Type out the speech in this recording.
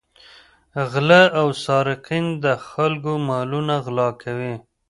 غله او سارقین د خلکو مالونه غلا کوي.